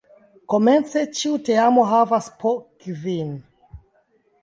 Komence ĉiu teamo havas po kvin.